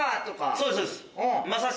そうですそうです。